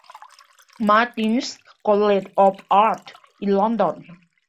Martin's College of Art in London.